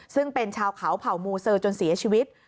ซึ่งเป็นชาวเขาเผ่ามูเซอร์จนเสียชีวิต